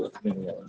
tapi pemerintah juga